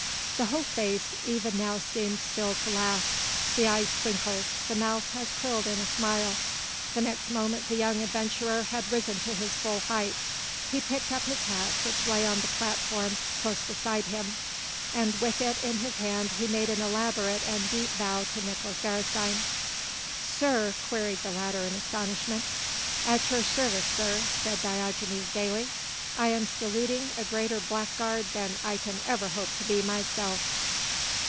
The whole face, even now seemed still to laugh, the eyes twinkled, the mouth was curled in a smile. The next moment the young adventurer had risen to his full height. He picked up his hat which lay on the platform close beside him and with it in his hand he made an elaborate and deep bow to Nicolaes Beresteyn. "Sir?" queried the latter in astonishment. "At your service, sir," said Diogenes gaily, "I am saluting a greater blackguard than I can ever hope to be myself."